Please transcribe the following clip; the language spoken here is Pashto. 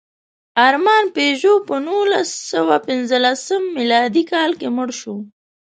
ارمان پيژو په نولسسوهپینځلسم مېلادي کال کې مړ شو.